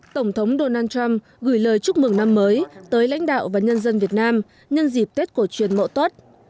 tổng thống donald trump gửi lời chúc mừng năm mới tới lãnh đạo và nhân dân việt nam nhân dịp tết cổ truyền mậu tuất